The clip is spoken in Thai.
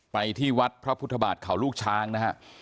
ไปที่วัดพระพุทธบาทเขาลูกช้างนะฮะ